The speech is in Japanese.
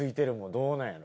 どうなんやろ？